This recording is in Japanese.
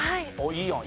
いいやん。